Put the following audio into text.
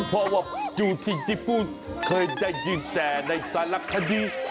เพราะว่าอยู่ที่ญี่ปุ่นเคยได้ยืนแต่ในสารรักทฤษฎี